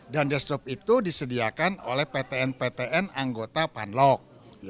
dan desktop itu disediakan oleh ptn ptn anggota panlok